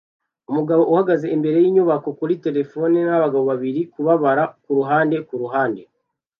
Umugabo uhagaze imbere yinyubako kuri terefone nkabagabo babiri kubabara kuruhande kuruhande